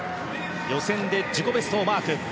予選で自己ベストをマーク。